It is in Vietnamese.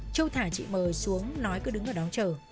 châu thả chị m xuống nói cứ đứng ở đó chờ